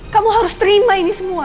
kamu harus terima ini semua